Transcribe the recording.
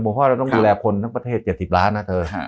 พ่อเราต้องดูแลคนทั้งประเทศ๗๐ล้านนะเธอ